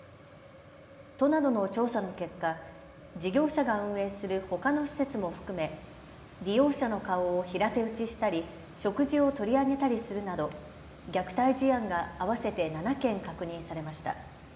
都などの調査の結果、事業者が運営するほかの施設も含め利用者の顔を平手打ちしたり食事を取り上げたりするなど虐待事案が合わせて７件確認されました。